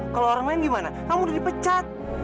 kalau orang main gimana kamu udah dipecat